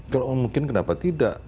kalau mungkin kenapa tidak